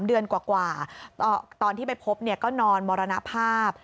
เดือนกว่าตอนที่ไปพบก็นอนมรณภาพ